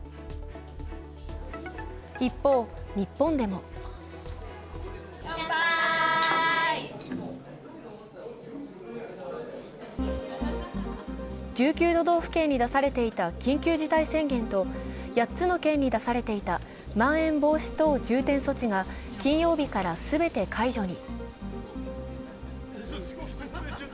一方、日本でも１９都道府県に出されていた緊急事態宣言と８つの県に出されていたまん延防止等重点措置が金曜日から全て解除に。